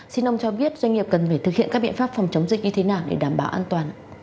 xin ông cho biết doanh nghiệp cần phải thực hiện các biện pháp phòng chống dịch như thế nào để đảm bảo an toàn